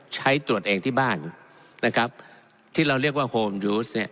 ใช้ตรวจเองที่บ้านนะครับที่เราเรียกว่าโฮมยูสเนี่ย